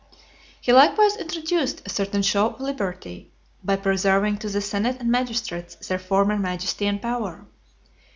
XXX. He likewise introduced a certain show of liberty, by preserving to the senate and magistrates their former majesty and power.